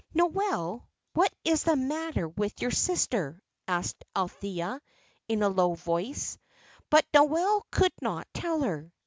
"Noel, what is the matter with your sister?" asked Althea, in a low voice; but Noel could not tell her.